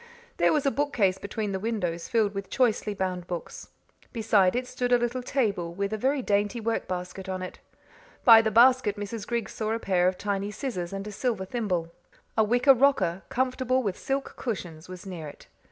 There was a bookcase between the windows filled with choicely bound books. Beside it stood a little table with a very dainty work basket on it. By the basket Mrs. Griggs saw a pair of tiny scissors and a silver thimble. A wicker rocker, comfortable with silk cushions, was near it.